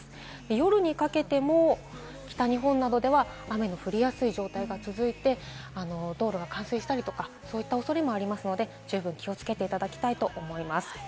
夜にかけても北日本などでは雨の降りやすい状態が続いて、道路が冠水したり、そういった恐れもありますので十分気をつけていただきたいと思います。